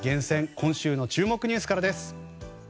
今週の注目ニュースからです。